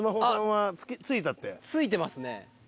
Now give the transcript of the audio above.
着いてますね。